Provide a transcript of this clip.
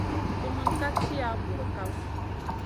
Sumun ka tiya bura kaf.